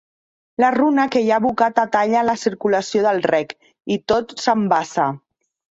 La runa que hi ha abocat atalla la circulació del rec, i tot s'embassa.